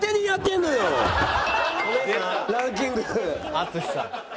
淳さん。